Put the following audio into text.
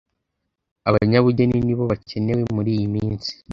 Abanyabugeni nibo bakenewe muriyiminsi